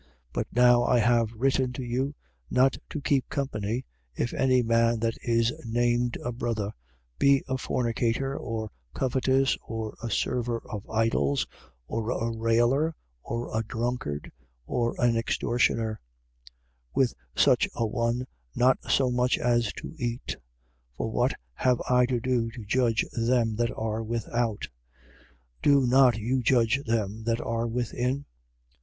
5:11. But now I have written to you, not to keep company, if any man that is named a brother be a fornicator or covetous or a server of idols or a railer or a drunkard or an extortioner: with such a one, not so much as to eat. 5:12. For what have I to do to judge them that are without? Do not you judge them that are within?